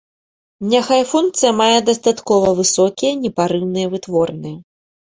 Няхай функцыя мае дастаткова высокія непарыўныя вытворныя.